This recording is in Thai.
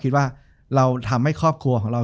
จบการโรงแรมจบการโรงแรม